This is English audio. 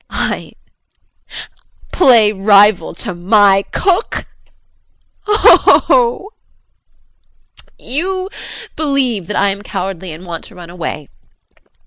I play rival to my cook oh oh oh! You believe that I am cowardly and want to run away.